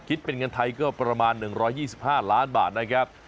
คิดเป็นเงินไทยก็ประมาณ๑๒๕ล้านบาทนะครับ